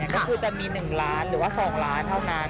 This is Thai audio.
ก็คือจะมีหนึ่งร้านหรือว่าสองร้านเท่านั้น